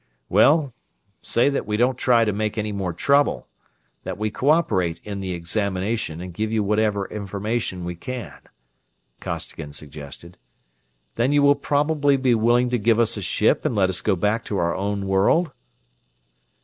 "Well, say that we don't try to make any more trouble; that we co operate in the examination and give you whatever information we can," Costigan suggested. "Then you will probably be willing to give us a ship and let us go back to our own world?"